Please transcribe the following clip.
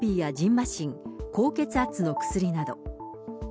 ましん、高血圧の薬など。